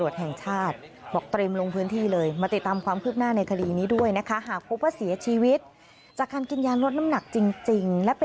ฟังเสียงตำรวจหน่อยค่ะ